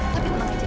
tapi lu masih jauh